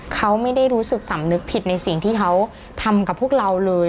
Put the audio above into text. เขาไม่ได้รู้สึกสำนึกผิดในสิ่งที่เขาทำกับพวกเราเลย